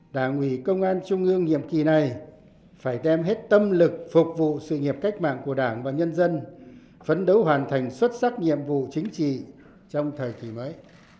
đảng ủy công an trung ương nhiệm kỳ này phải đem hết tâm lực phục vụ sự nghiệp cách mạng của đảng và nhân dân phấn đấu hoàn thành xuất sắc nhiệm vụ chính trị trong thời kỳ mới